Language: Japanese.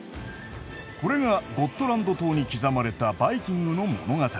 これがゴットランド島に刻まれたバイキングの物語。